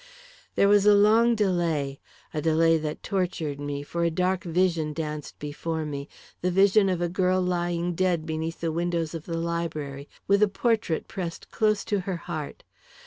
There was a long delay; a delay that tortured me: for a dark vision danced before me the vision of a girl lying dead beneath the windows of the library, with a portrait pressed close against her heart.